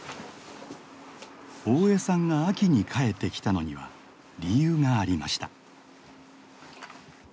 大江さんが秋に帰ってきたのには理由がありました。